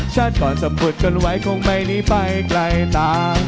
ชัดก่อนสมมุติคนไว้คงไม่นี่ไปไกลน่า